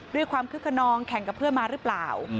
ด้วยความคึกขนองแข่งกับเพื่อนมาหรือเปล่า